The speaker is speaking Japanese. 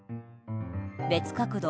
別角度。